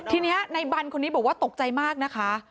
ทีนี้ในบันคนนี้บอกว่าตกใจมากนะคะ